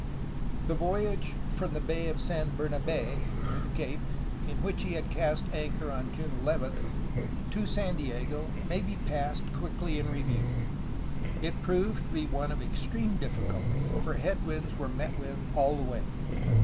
The voyage from the Bay of San Bernabe (near the cape), in which he had cast anchor on June 11, to San Diego may be passed quickly in review. It proved to be one of extreme difficulty, for headwinds were met with all the way.